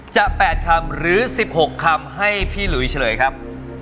๘คำหรือ๑๖คำให้พี่หลุยเฉลยครับ